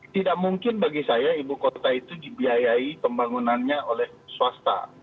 tidak mungkin bagi saya ibu kota itu dibiayai pembangunannya oleh swasta